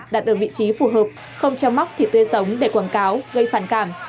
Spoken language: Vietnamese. đặt ở vị trí phù hợp không treo móc thịt tươi sống để quảng cáo gây phản cảm